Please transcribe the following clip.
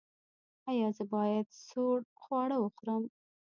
ایا زه باید سوړ خواړه وخورم؟